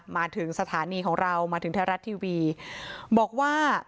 มาถึงสถานีของเรามาถึงไทยรัฐทีวีบอกว่า